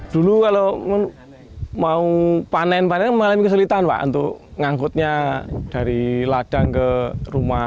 dulu kalau mau panen panen mengalami kesulitan pak untuk ngangkutnya dari ladang ke rumah